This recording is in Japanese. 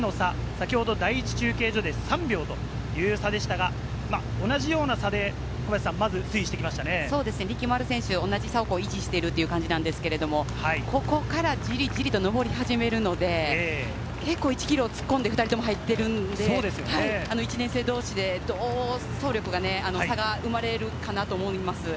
この２人の差、先ほど第１中継所で３秒という差でしたが、同じような差でまず推移してきましたね、力丸選手、同じ差を維持しているということですが、ここからじりじりと上り始めるので、結構１ｋｍ突っ込んで２人とも入っているんで、１年生同士でどう走力が差が生まれるかなと思います。